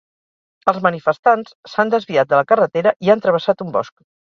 Els manifestants s'han desviat de la carretera i han travessat un bosc